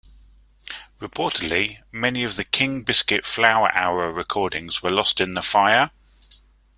Reportedly, many of the King Biscuit Flower Hour recordings were lost in the fire.